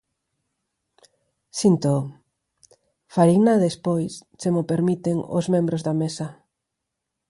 Síntoo, fareina despois se mo permiten os membros da Mesa.